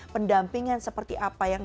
pendampingan seperti apa yang